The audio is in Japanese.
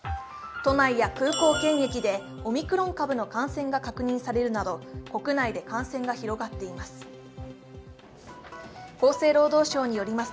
都内や空港検疫でオミクロン株の感染が確認されるなど国内で感染が広がっています。